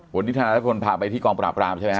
วันนี้ธนพลพาไปที่กองปราบรามใช่ไหมฮ